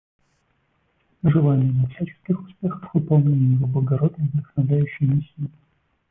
Мы желаем ему всяческих успехов в выполнении его благородной и вдохновляющей миссии.